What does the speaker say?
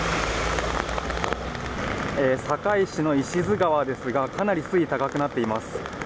堺市の石津川ですがかなり水位が高くなっています。